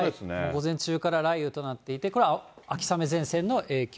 午前中から雷雨となっていて、これは秋雨前線の影響。